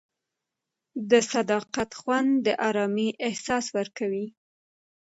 د صداقت خوند د ارامۍ احساس ورکوي.